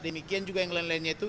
demikian juga yang lain lainnya itu